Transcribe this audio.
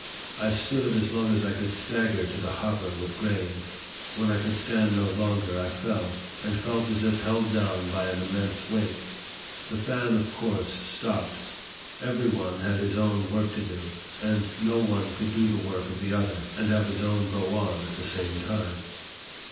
I stood as long as I could stagger to the hopper with grain. When I could stand no longer, I fell, and felt as if held down by an immense weight. The fan of course stopped ; every one had his own work to do ; and no one could do the work of the other, and have his own go on at the same time.